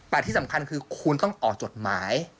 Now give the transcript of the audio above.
แต่ที่สำคัญคือคุณต้องออกจดหมาย